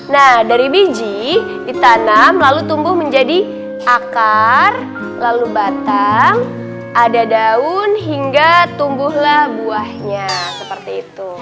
nah dari biji ditanam lalu tumbuh menjadi akar lalu batang ada daun hingga tumbuhlah buahnya seperti itu